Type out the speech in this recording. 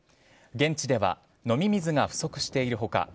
現地では飲み水が不足している他